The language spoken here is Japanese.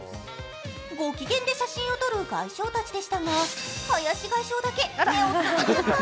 ご機嫌で写真を撮る￥外相たちでしたが林外相だけ目をつむっちゃった！